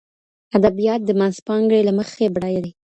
ادبیات د منځپانګې له مخې بډایه دي.